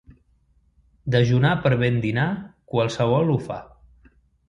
Dejunar per ben dinar, qualsevol ho fa.